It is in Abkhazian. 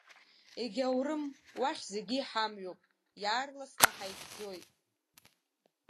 Егьаурым, уахь зегьы иҳамҩоуп, иаарласны ҳаихьӡоит.